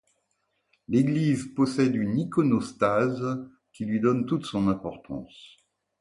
L'église possède une iconostase qui lui donne toute son importance.